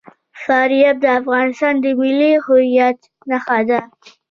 فاریاب د افغانستان د ملي هویت نښه ده.